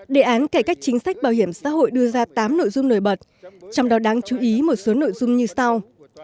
đề án cải cách chính sách bảo hiểm xã hội đưa ra tám nội dung nổi bật trong đó đáng chú ý một số nội dung như sau